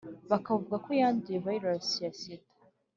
bakavuga ko yanduye virusi ya sida